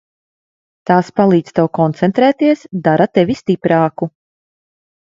Tās palīdz tev koncentrēties, dara tevi stiprāku.